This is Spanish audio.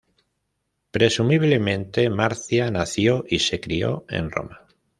Presumiblemente, Marcia nació y se crio en Roma.